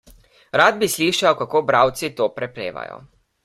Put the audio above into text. Rad bi slišal, kako bralci to prepevajo.